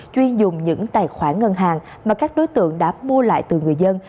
chuyên dùng những tài khoản ngân hàng mà các đối tượng đã mua lại từ người dân